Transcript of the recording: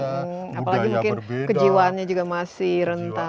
apalagi mungkin kejiwaannya juga masih rentan